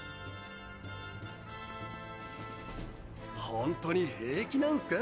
ホントに平気なんすか？